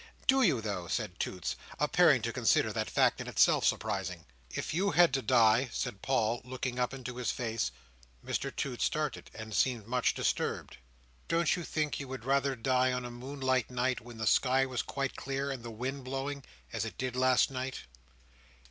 "Do you, though?" said Toots, appearing to consider that fact in itself surprising. "If you had to die," said Paul, looking up into his face—Mr Toots started, and seemed much disturbed. "Don't you think you would rather die on a moonlight night, when the sky was quite clear, and the wind blowing, as it did last night?"